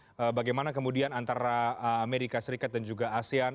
bagaimana kemudian antara amerika serikat dan juga asean